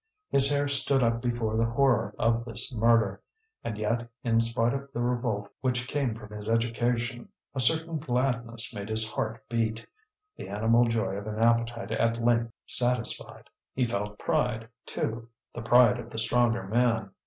His hair stood up before the horror of this murder; and yet, in spite of the revolt which came from his education, a certain gladness made his heart beat, the animal joy of an appetite at length satisfied. He felt pride, too, the pride of the stronger man.